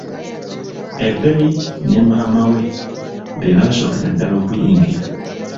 Ebei ne maama we be baasookera ddala okuyingira.